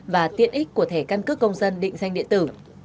và tiện ích của thẻ căn cước công dân định danh điện tử